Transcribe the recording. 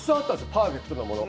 パーフェクトなもの。